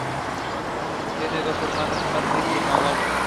Tiene dos hermanos, Patrick y Meghan.